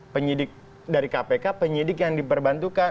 penyidik dari kpk penyidik yang diperbantukan